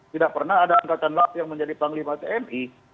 tidak pernah ada angkatan laut yang menjadi panglima tni